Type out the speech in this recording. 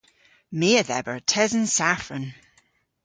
My a dheber tesen safran.